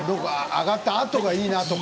上がったあとがいいな。